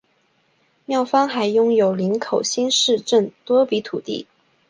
庙方还拥有林口新市镇多笔土地。